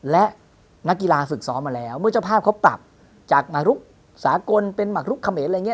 และนักกีฬาฝึกซ้อมมาแล้วเมื่อเจ้าภาพเขาปรับจากสากลเป็นหมักลุกเขมรอะไรอย่างนี้